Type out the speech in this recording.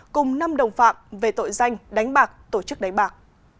cùng năm đồng phạm về tội danh đánh bạc tổ chức đánh bạc